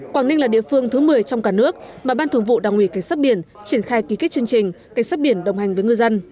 quảng ninh là địa phương thứ một mươi trong cả nước mà ban thường vụ đảng ủy cảnh sát biển triển khai ký kết chương trình cảnh sát biển đồng hành với ngư dân